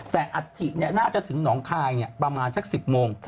แต่อาทิตย์น่าจะถึงหนองคายเนี่ยประมาณสัก๑๐โมง